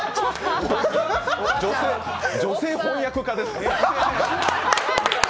女性翻訳家ですか？